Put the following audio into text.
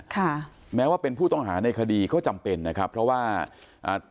ค่ะแม้ว่าเป็นผู้ต้องหาในคดีก็จำเป็นนะครับเพราะว่าอ่า